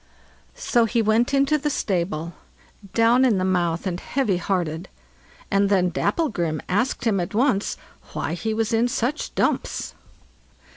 So he went into the stable, down in the mouth and heavy hearted, and then Dapplegrim asked him at once why he was in such dumps.